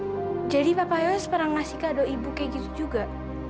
iya jadi papa yoes pernah ngasih kado ibu kayak gitu juga